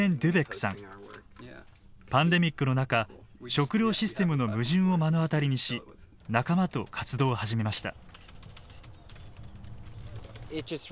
パンデミックの中食料システムの矛盾を目の当たりにし仲間と活動を始めました。